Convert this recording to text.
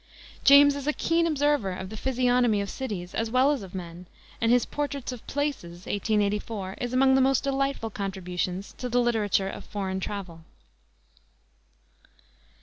James is a keen observer of the physiognomy of cities as well as of men, and his Portraits of Places, 1884, is among the most delightful contributions to the literature of foreign travel.